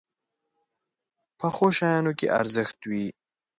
پخو شیانو کې ارزښت وي